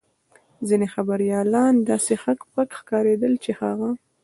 ځینې خبریالان داسې هک پک ښکارېدل چې هغه.